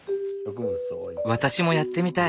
私もやってみたい。